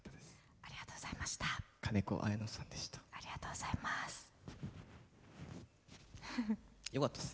ありがとうございます。